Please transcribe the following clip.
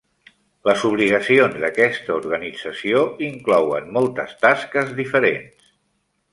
Les obligacions d'aquesta organització inclouen moltes tasques diferents.